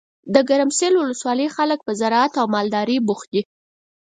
دګرمسیر ولسوالۍ خلګ په زراعت او مالدارۍ بوخت دي.